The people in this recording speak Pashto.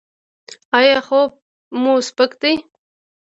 ایا خوب مو سپک دی؟